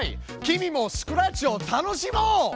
君もスクラッチを楽しもう！